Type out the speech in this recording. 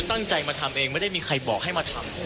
ตั้งใจมาทำเองไม่ได้มีใครบอกให้มาทำ